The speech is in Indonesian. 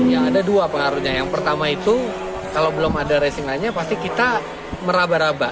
yang ada dua pengaruhnya yang pertama itu kalau belum ada racing line nya pasti kita meraba raba